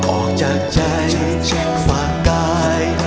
ออกจากใจฝากกาย